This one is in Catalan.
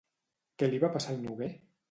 Què li va passar al noguer?